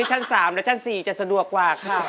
โห